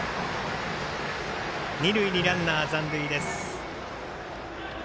二塁にランナー残塁です。